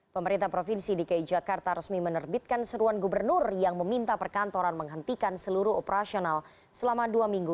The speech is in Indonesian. pemerintah provinsi dki jakarta resmi menerbitkan seruan gubernur yang meminta perkantoran menghentikan seluruh operasional selama dua minggu